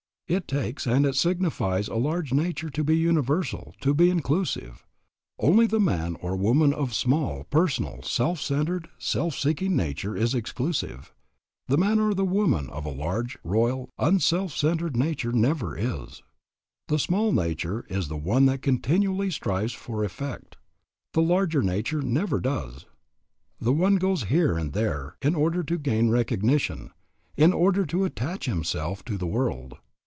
It takes and it signifies a large nature to be universal, to be inclusive. Only the man or the woman of a small, personal, self centred, self seeking nature is exclusive. The man or the woman of a large, royal, unself centred nature never is. The small nature is the one that continually strives for effect. The larger nature never does. The one goes here and there in order to gain recognition, in order to attach himself to the world.